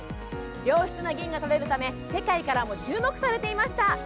良質な銀がとれるため世界からも注目されていました。